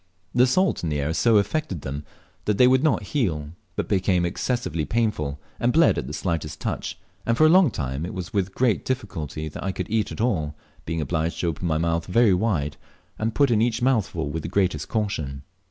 The salt in the air so affected them that they would not heal, but became excessively painful, and bled at the slightest touch, and for a long time it was with great difficulty I could eat at all, being obliged to open my mouth very wide, and put in each mouthful with the greatest caution.